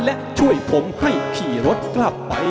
และช่วยผมให้ขี่รถกลับไป